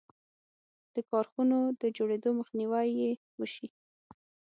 د کارخانو د جوړېدو مخنیوی یې وشي.